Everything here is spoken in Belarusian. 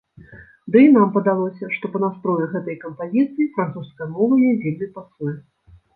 Ды і нам падалося, што па настрою гэтай кампазіцыі французская мова ёй вельмі пасуе.